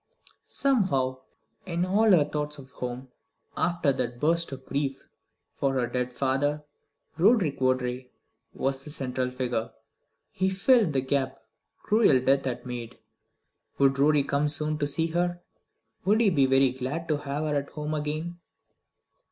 '" Somehow in all her thoughts of home after that burst of grief for her dead father Roderick Vawdrey was the central figure. He filled the gap cruel death had made. Would Rorie come soon to see her? Would he be very glad to have her at home again?